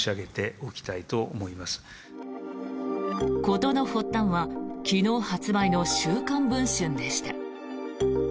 事の発端は昨日発売の「週刊文春」でした。